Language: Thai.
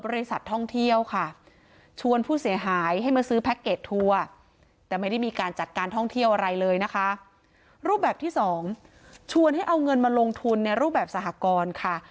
รูปแบบที่สองชวนให้เอาเงินมาลงทุนในรูปแบบสหกรค่ะ